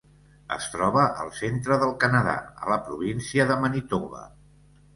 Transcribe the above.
Es troba al centre del Canadà, a la província de Manitoba.